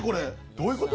どういうこと？